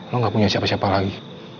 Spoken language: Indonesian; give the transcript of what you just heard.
lo gak punya siapa siapa lagi